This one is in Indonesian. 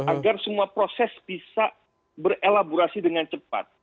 agar semua proses bisa berelaborasi dengan cepat